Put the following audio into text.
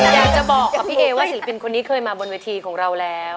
อยากจะบอกกับพี่เอว่าศิลปินคนนี้เคยมาบนเวทีของเราแล้ว